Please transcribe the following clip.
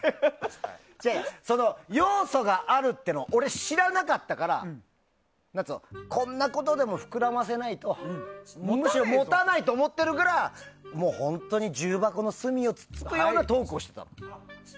要素があるっていうのを俺、知らなかったからこんなことでも膨らませないとむしろ持たないと思ってるから本当に重箱の隅をつつくようなトークをしてたの。